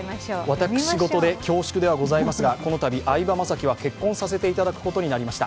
私ごとで恐縮ではございますが、このたび相葉雅紀は結婚させていただくことになりました。